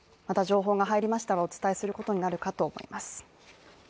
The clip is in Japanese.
また情報が入りましたらお伝えすることになるかと思います。